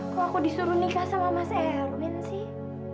kalau aku disuruh nikah sama mas erwin sih